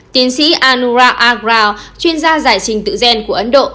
tiến sĩ anurag agraw chuyên gia giải trình tự gen của ấn độ